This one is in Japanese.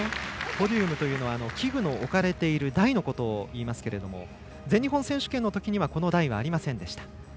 ポディウムというのは器具の置かれている台のことをいいますけども全日本選手権のときにはこの台はありませんでした。